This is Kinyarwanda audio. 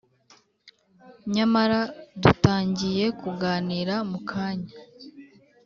nyamara dutangiye kuganira mukanya,